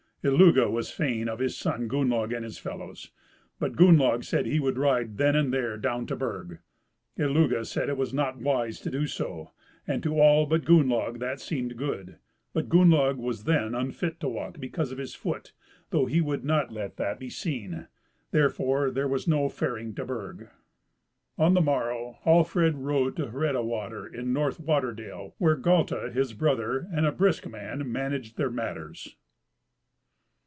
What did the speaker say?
Illugi was fain of his son Gunnlaug and his fellows; but Gunnlaug said he would ride then and there down to Burg. Illugi said it was not wise to do so, and to all but Gunnlaug that seemed good. But Gunnlaug was then unfit to walk, because of his foot, though he would not let that be seen. Therefore there was no faring to Burg. On the morrow Hallfred rode to Hreda water, in North water dale, where Galti, his brother and a brisk man, managed their matters.